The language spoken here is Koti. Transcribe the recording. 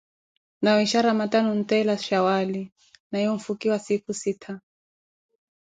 Nawiisha ramatani, onteela shawaali, naye onfukiwa siikho sittha.